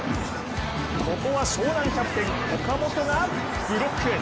ここは湘南キャプテン・岡本がブロック。